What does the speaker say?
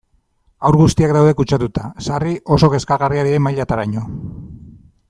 Haur guztiak daude kutsatuta, sarri oso kezkagarriak diren mailataraino.